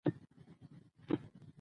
دوی بې علاقه احساس کوي.